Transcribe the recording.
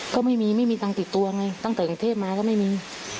ก็ไม่มีไม่มีตังค์ติดตัวไงตั้งแต่กรุงเทพมาก็ไม่มี